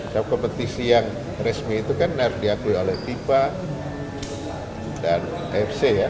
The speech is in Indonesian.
kalau kompetisi yang resmi itu kan harus diakui oleh fifa dan afc ya